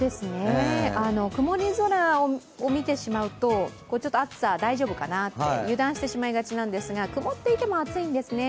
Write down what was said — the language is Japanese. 曇り空を見てしまうと暑さ、大丈夫かなって油断してしまいがちなんですが、曇っていても暑いんですね。